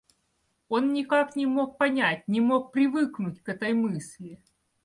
Он никак не мог понять, не мог привыкнуть к этой мысли.